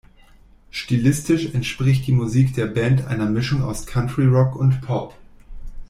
Stilistisch entspricht die Musik der Band einer Mischung aus Country Rock und Pop.